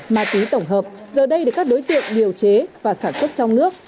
ma túy tổng hợp giờ đây là các đối tiện điều chế và sản xuất trong nước